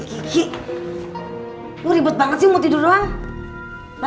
gigi gak bisa tidur mbak